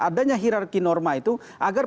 adanya hirarki norma itu agar